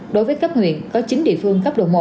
đối với cấp huyện có chín địa phương cấp độ một